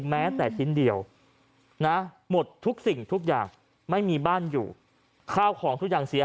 แม้แต่ชิ้นเดียวนะหมดทุกสิ่งทุกอย่างไม่มีบ้านอยู่ข้าวของทุกอย่างเสีย